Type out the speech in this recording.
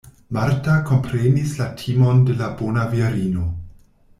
Marta komprenis la timon de la bona virino.